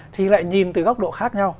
thì lại nhìn từ góc độ khác nhau